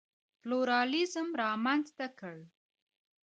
پلورالېزم رامنځته کړ.